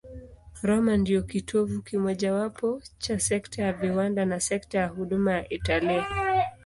Roma ndiyo kitovu kimojawapo cha sekta ya viwanda na sekta ya huduma ya Italia.